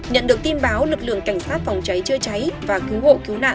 nhận được tin báo lực lượng cảnh sát phòng cháy chữa cháy và cứu hộ cứu nạn